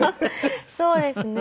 そうですね。